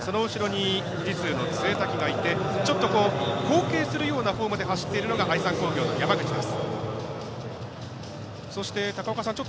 その後ろに富士通の潰滝がいてちょっと後傾するようなフォームで走っているのが愛三工業の山口です。